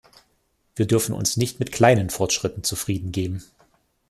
Wir dürfen uns nicht mit kleinen Fortschritten zufrieden geben.